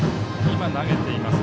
今、投げています